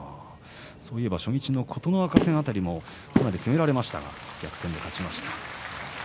初日の琴ノ若戦辺りも攻められましたが逆転で勝ちました。